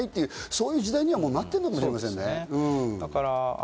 そういう時代になってるのかもしれませんね。